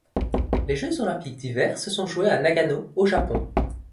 Les jeux Olympiques d'hiver se sont joués à Nagano au Japon.